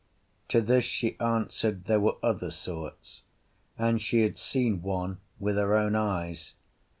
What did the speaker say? To this she answered there were other sorts, and she had seen one with her own eyes.